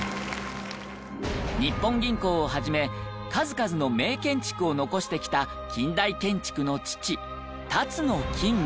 日本銀行をはじめ数々の名建築を残してきた近代建築の父辰野金吾。